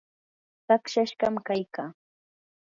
saqsashqam kaykaa.